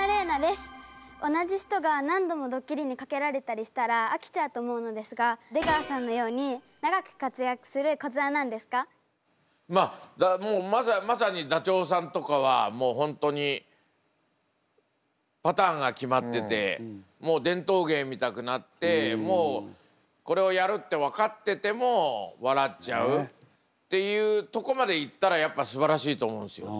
同じ人が何度もドッキリに掛けられたりしたら飽きちゃうと思うのですが出川さんのようにまあまさにダチョウさんとかはもう本当にパターンが決まってて伝統芸みたくなってもうこれをやるって分かってても笑っちゃうっていうとこまでいったらやっぱすばらしいと思うんですよ。